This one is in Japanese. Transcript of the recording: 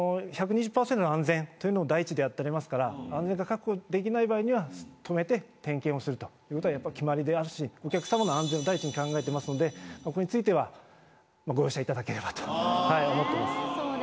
１２０％の安全というのを第一でやっておりますから安全が確保できない場合には止めて点検をするということは決まりであるしお客様の安全を第一に考えてますのでこれについてはご容赦いただければと思ってます